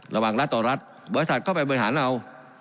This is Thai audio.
ระหว่างรัฐต่อรัฐบริษัทเข้าไปเบือนหาเนา